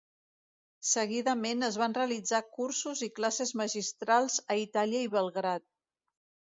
Seguidament es van realitzar cursos i classes magistrals a Itàlia i Belgrad.